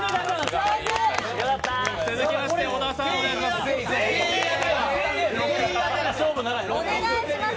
続きまして小田さんお願いします。